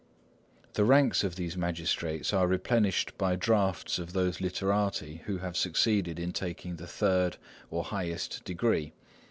The ranks of these magistrates are replenished by drafts of those literati who have succeeded in taking the third, or highest, degree.